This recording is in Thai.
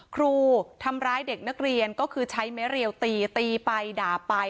ครูทำร้ายเด็กนักเรียนก็คือใช้ไม้เรียวตีตีไปด่าไป